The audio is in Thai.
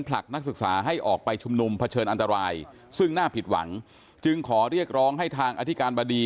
ผลักนักศึกษาให้ออกไปชุมนุมเผชิญอันตรายซึ่งน่าผิดหวังจึงขอเรียกร้องให้ทางอธิการบดี